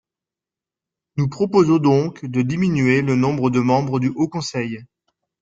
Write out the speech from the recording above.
Nous proposons donc de diminuer le nombre de membres du Haut conseil.